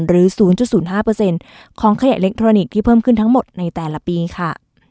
หรือ๐๐๕ของขยะอิเล็กทรอนิกส์ที่เพิ่มขึ้นทั้งหมดในแต่ละปีค่ะ